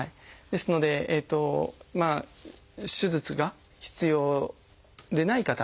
ですので手術が必要でない方。